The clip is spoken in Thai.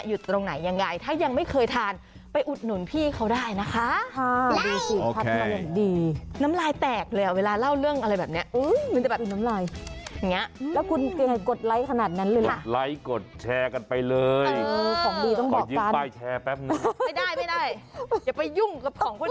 ไม่ได้ย่งกับของความความสุข